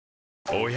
おや？